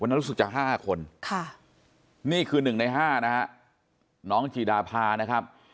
วันนั้นรู้สึกจะห้าคนค่ะนี่คือหนึ่งในห้านะฮะน้องจีดาพานะครับ